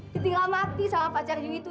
ditinggal mati sama pacar yu itu